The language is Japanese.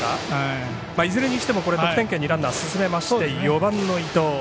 いずれにしても得点圏にランナーを進めまして４番の伊藤。